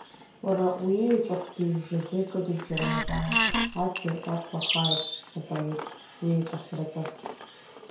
Уара уеиеҵәахәгьы жжаӡа икыдуп џьара макьана, адгьыл иақәлахааит, апоет, уиеҵәахәмраҵас!